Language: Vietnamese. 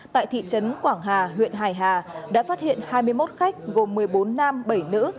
tại thị trấn quảng hà huyện hải hà đã phát hiện hai mươi một khách gồm một mươi bốn nam bảy nữ